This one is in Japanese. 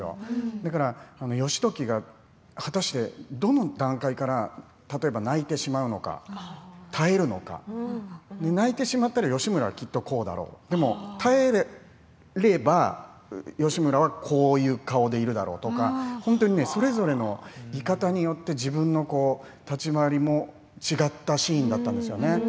だから義時が、果たしてどの段階から例えば泣いてしまうのか耐えるのか泣いてしまったら義村はきっとこうだろうでも、耐えれば義村はこういう顔でいるだろうとか本当にそれぞれの居方によって自分の立ち回りも違ったシーンだったんですよね。